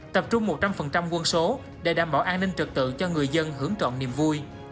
tập trung một trăm linh quân số để đảm bảo an ninh trật tự cho người dân hưởng trọng niềm vui